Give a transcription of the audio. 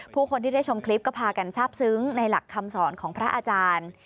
ผู้คนที่ได้ชมคลิปก็พากันทราบซึ้งในหลักคำสอนของพระอาจารย์